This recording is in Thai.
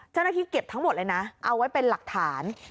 เจ้าหน้าที่เก็บทั้งหมดเลยนะเอาไว้เป็นหลักฐาน